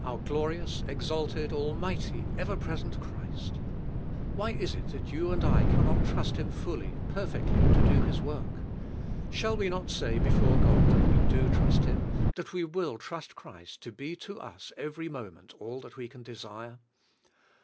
Our glorious, exalted, almighty, ever present Christ! why is it that you and I can not trust Him fully, perfectl}^ to do His work? Shall we not say be fore God that we do trust Him, that we will trust Christ to be to us every moment all that we can desire?